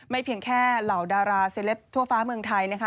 เพียงแค่เหล่าดาราเซลปทั่วฟ้าเมืองไทยนะคะ